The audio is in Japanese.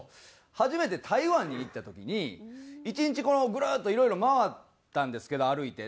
初めて台湾に行った時に１日グルッといろいろ回ったんですけど歩いて。